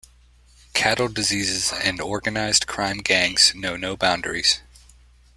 Cattle diseases and organised-crime gangs know no boundaries.